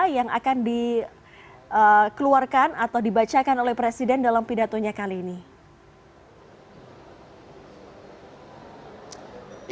yang akan dikeluarkan atau dibacakan oleh presiden dalam pidatonya kali ini